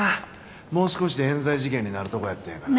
もう少しで冤罪事件になるとこやったんやから。